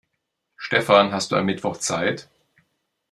Stefan, hast du am Mittwoch Zeit?